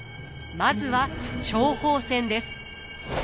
まずは諜報戦です。